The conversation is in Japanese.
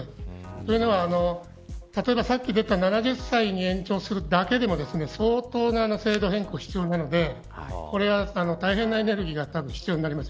というのは、例えばさっき出た７０歳に延長するだけでも相当な制度変更が必要になるのでこれは大変なエネルギーが多分必要になります。